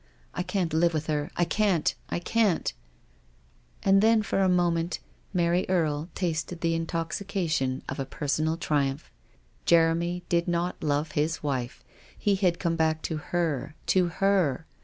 I can't live with her, I can't, I can't !" And then, for a moment, the girl tasted the intoxication of a personal triumph. Vincent did not love his wife ; he had come back to her, to her.